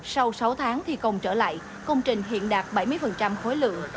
sau sáu tháng thi công trở lại công trình hiện đạt bảy mươi khối lượng